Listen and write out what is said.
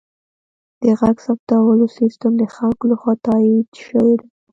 د غږ ثبتولو سیستم د خلکو لخوا تایید شوی دی.